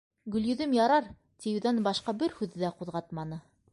Гөлйөҙөм ярар, тиеүҙән башҡа бер һүҙ ҙә ҡуҙғатманы.